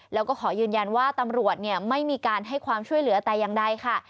แล้วก็ขอยืนยันว่าตำรวจไม่มีการให้ความช่วยเหลือแต่อย่างใดค่ะ